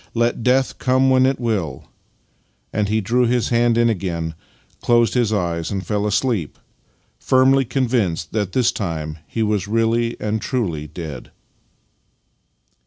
Let death come when it will," and he drew his hand in again, closed his eyes and fell asleep, firmly convinced that this time he was really and truly dead.